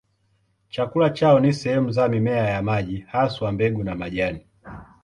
Chakula chao ni sehemu za mimea ya maji, haswa mbegu na majani.